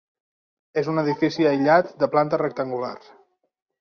És un edifici aïllat de planta rectangular.